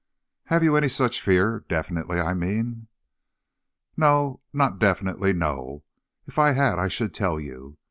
"Have you any such fear definitely, I mean?" "Not definitely, no. If I had I should tell you.